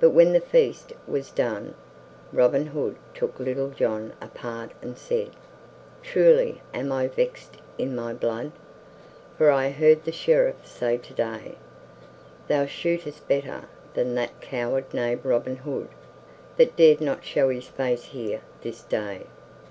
But when the feast was done, Robin Hood took Little John apart and said, "Truly am I vexed in my blood, for I heard the Sheriff say today, 'Thou shootest better than that coward knave Robin Hood, that dared not show his face here this day.'